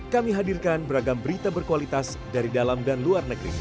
kami hadirkan beragam berita berkualitas dari dalam dan luar negeri